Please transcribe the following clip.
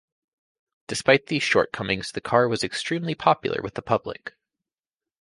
Despite these shortcomings the car was extremely popular with the public.